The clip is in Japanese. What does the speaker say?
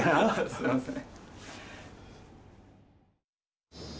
すいません。